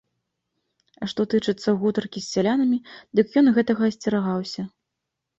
А што тычыцца гутаркі з сялянамі, дык ён гэтага асцерагаўся.